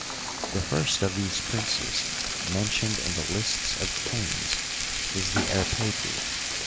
The first of these princes men tioned in the lists of kings is the erpdti (i.